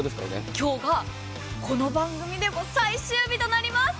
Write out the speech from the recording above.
今日がこの番組でも最終日となります。